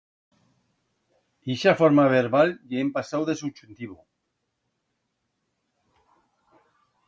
Ixa forma verbal ye en pasau de subchuntivo.